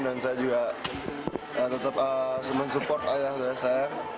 dan saya juga tetap men support ayah doa saya